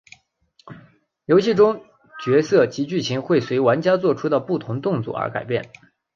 游戏中的角色及剧情会随玩家作出的不同动作而改变。